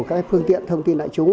các phương tiện thông tin đại chúng